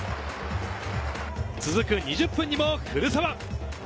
続く２０分にも古澤。